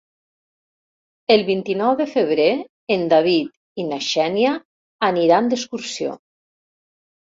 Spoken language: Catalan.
El vint-i-nou de febrer en David i na Xènia aniran d'excursió.